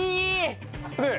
ねえ。